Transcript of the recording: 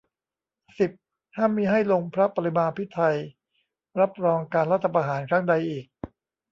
สิบ ห้ามมิให้ลงพระปรมาภิไธยรับรองการรัฐประหารครั้งใดอีก